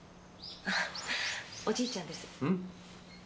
おじいちゃんです。